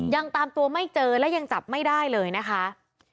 ยังตามตัวไม่เจอและยังจับไม่ได้เลยนะคะ